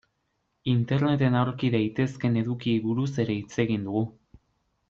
Interneten aurki daitezkeen edukiei buruz ere hitz egin dugu.